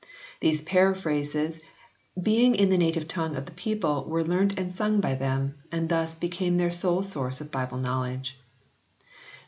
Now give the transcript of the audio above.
These paraphrases being in the native tongue of the people were learnt and sung by them and thus became their sole source of Bible knowledge.